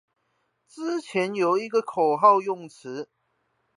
之前有一個口號用詞